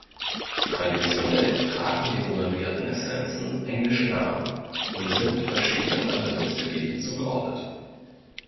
Traditionell tragen die nummerierten Essenzen englische Namen und sind verschiedenen Anwendungsgebieten zugeordnet.